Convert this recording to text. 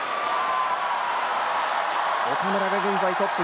岡村が現在トップ。